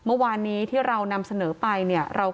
กลุ่มวัยรุ่นกลัวว่าจะไม่ได้รับความเป็นธรรมทางด้านคดีจะคืบหน้า